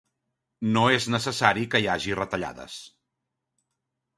No és necessari que hi hagi retallades.